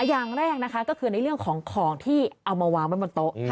อันยังแรกก็คือในเรื่องของที่เอามาวางไว้บนโต๊ะ